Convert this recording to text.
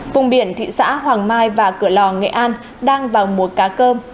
vùng biển thị xã hoàng mai và cửa lò nghệ an đang vào mùa cá cơm